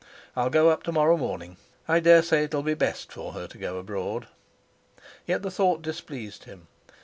I'll go up to morrow morning. I dare say it'll be best for her to go abroad." Yet the thought displeased him.